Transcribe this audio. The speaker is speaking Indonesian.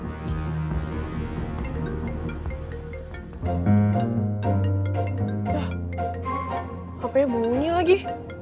hah apanya bunyi lagi